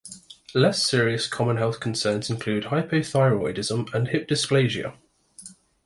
Less serious common health concerns include hypothyroidism and hip dysplasia.